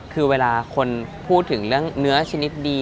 คือเวลาคนพูดถึงเรื่องเนื้อชนิดดี